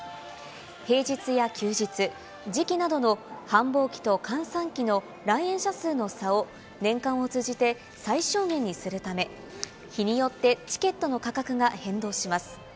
平日や休日、時期などの繁忙期と閑散期の来園者数の差を年間を通じて最小限にするため、日によってチケットの価格が変動します。